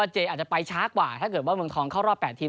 เจอาจจะไปช้ากว่าถ้าเกิดว่าเมืองทองเข้ารอบ๘ทีม